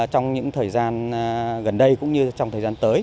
trong những thời gian gần đây cũng như trong thời gian tới